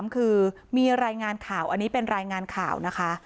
คือมีรายงานข่าวอันนี้เป็นรายงานข่าวนะคะ